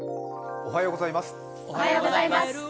おはようございます。